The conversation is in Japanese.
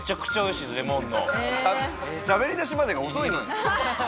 しゃべりだしまでが遅いのよ。